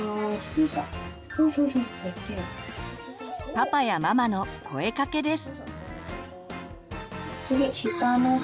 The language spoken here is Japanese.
パパやママの声かけです。